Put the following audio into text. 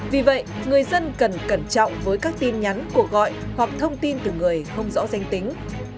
vì vậy người dân cần cẩn trọng với các tin nhắn cuộc gọi hoặc thông tin từ người không rõ danh tính